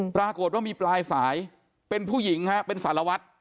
ปรากฏว่ามีปลายสายเป็นผู้หญิงฮะเป็นสารวัตร